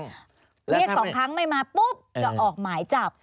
เรียกสองครั้งไม่มาปุ๊บจะออกหมายจับ